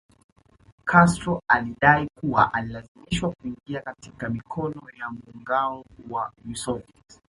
Castro alidai kuwa alilazimishwa kuingia katika mikono ya muungao wa Usovieti